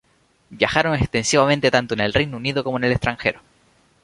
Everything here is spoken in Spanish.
Viajaron extensivamente tanto en el Reino Unido como en el extranjero.